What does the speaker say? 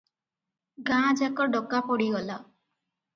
ଗାଁଯାକ ଡକା ପଡିଗଲା ।